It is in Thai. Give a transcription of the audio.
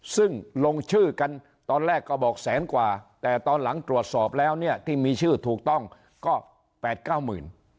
ซึ่งลงชื่อกันตอนแรกก็บอกแสนกว่าแต่ตอนหลังตรวจสอบแล้วเนี่ยที่มีชื่อถูกต้องก็๘๙หมื่น